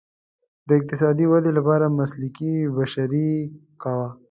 د اقتصادي ودې لپاره مسلکي بشري قوه.